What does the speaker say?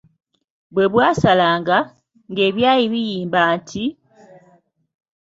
Bwebwasalanga, ng’ebyayi biyimba nti,